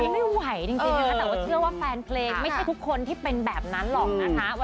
ให้ไว้ดิว่าแฟนเพลงไม่ใช่ทุกคนไม่ใช่ทุกคนที่เป็นแบบนั้นหรอกนะคะ